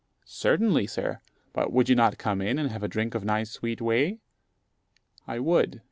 "Certainly, sir; but would you not come in, and have a drink of nice sweet whey?" I would.